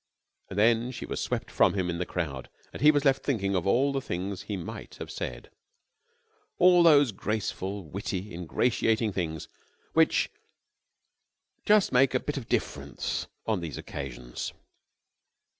And then she was swept from him in the crowd and he was left thinking of all the things he might have said all those graceful, witty, ingratiating things which just make a bit of difference on these occasions.